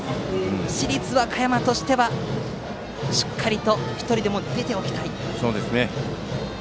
市立和歌山としては、しっかりと１人でも出ておきたい。